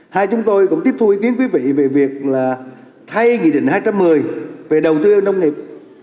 hai chúng tôi cũng tiếp thu ý kiến quý vị về việc là thay nghị định hai trăm một mươi về đầu tư nông nghiệp